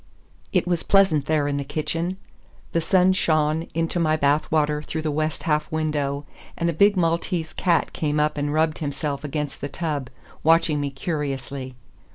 It was pleasant there in the kitchen. The sun shone into my bath water through the west half window, and a big Maltese cat came up and rubbed himself against the tub, watching me curiously.